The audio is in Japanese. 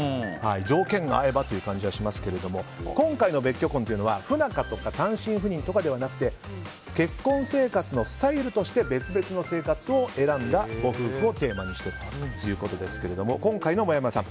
条件が合えばという感じはしますけれども今回の別居婚というのは不仲とか単身赴任ではなくて結婚生活のスタイルとして別々の生活を選んだご夫婦をテーマにしているということですが今回のもやもやさん